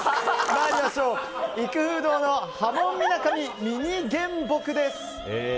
参りましょう、育風堂のはもんみなかみミニ原木です。